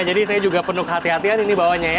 jadi saya juga penuh kehati hatian ini bawanya ya